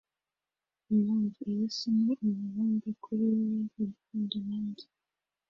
Impamvu - iyi si ni umubumbe kuri wewe, urukundo, nanjye.